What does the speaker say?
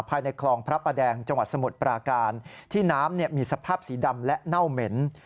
ภายในคลองพระประแดงจังหวัดสมุทรปราการที่น้ำมีสภาพสีดำและเน่าเหม็น